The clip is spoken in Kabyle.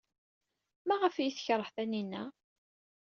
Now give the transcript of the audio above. Maɣef ay iyi-tekṛeh Taninna?